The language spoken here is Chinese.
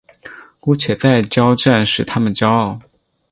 姑且再交战使他们骄傲。